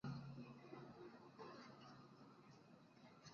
本游戏是一个纵向卷轴清版射击游戏。